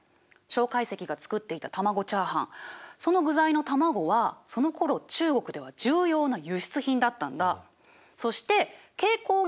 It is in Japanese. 介石が作っていた卵チャーハンその具材の卵はそのころ中国では重要な輸出品だったんだ。